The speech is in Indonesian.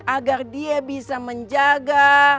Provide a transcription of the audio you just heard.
agar dia bisa menjaga